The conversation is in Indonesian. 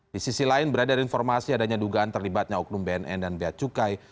di sisi lain berada informasi adanya dugaan terlibatnya oknum bnn dan beacukai